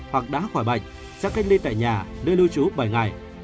hoặc đã khỏi bệnh sẽ cách ly tại nhà nơi lưu trú bảy ngày